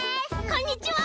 こんにちは。